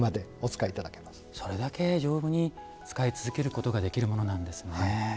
それだけ丈夫に使い続けることができるものなんですね。